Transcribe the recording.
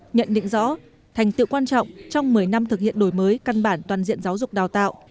nhận định rõ thành tiệu quan trọng trong một mươi năm thực hiện đổi mới căn bản toàn diện giáo dục đào tạo